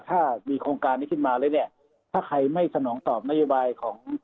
ถ้ามีโครงการนี้ขึ้นมาแล้วเนี่ยถ้าใครไม่สนองตอบนโยบายของ